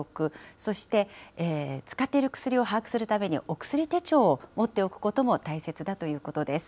そして、使っている薬を把握するために、お薬手帳を持っておくことも大切だということです。